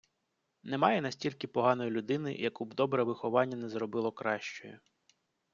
Немає настільки поганої людини, яку б добре виховання не зробило кращою.